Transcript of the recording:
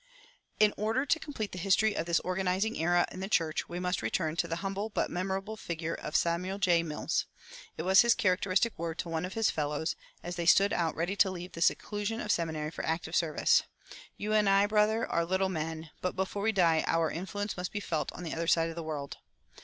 In order to complete the history of this organizing era in the church, we must return to the humble but memorable figure of Samuel J. Mills. It was his characteristic word to one of his fellows, as they stood ready to leave the seclusion of the seminary for active service, "You and I, brother, are little men, but before we die, our influence must be felt on the other side of the world."